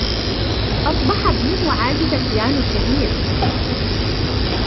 أصبح ابنه عازف بيانو شهير.